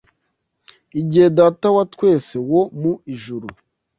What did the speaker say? Igihe Data wa twese wo mu Ijuru